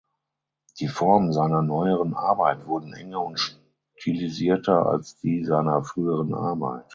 Die Formen seiner neueren Arbeit wurden enger und stilisierter als die seiner früheren Arbeit.